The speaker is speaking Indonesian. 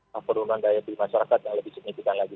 penurunan daya pilih masyarakat yang lebih signifikan lagi